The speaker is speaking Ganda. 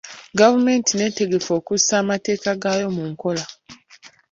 Gavumenti nneetegefu okussa amateeka gaayo mu nkola.